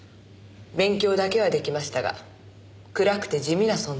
勉強だけは出来ましたが暗くて地味な存在でした。